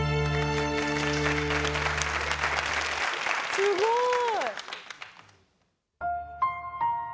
すごーい。